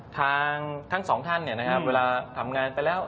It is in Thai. ทั้งสองท่านเวลาทำงานไปแล้ว